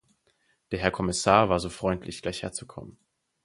Der Herr Kommissar war so freundlich, gleich herzukommen.